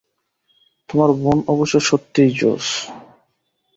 তোমার বোন অবশ্য সত্যিই জোশ।